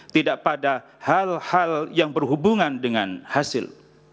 tidak pada hal hal yang berhubungan dengan hasil